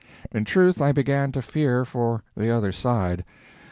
In truth I began to fear for the other side.